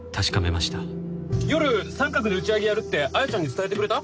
夜サンカクで打ち上げやるって彩ちゃんに伝えてくれた？